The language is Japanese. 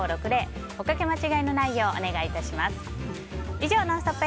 以上ＮＯＮＳＴＯＰ！